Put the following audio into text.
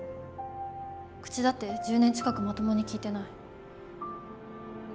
口だって１０年近くまともに利いてない。